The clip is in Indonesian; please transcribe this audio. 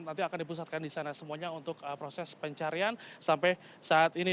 nanti akan dipusatkan di sana semuanya untuk proses pencarian sampai saat ini